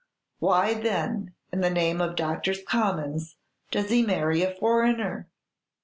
Why, then, in the name of Doctors' Commons, does he marry a foreigner?"